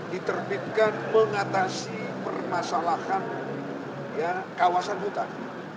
diterbitkan mengatasi permasalahan kawasan hutan